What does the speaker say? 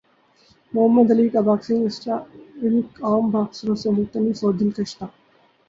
محمد Ali کا boxing style عام باکسروں سے مختلف اور دلکش تھا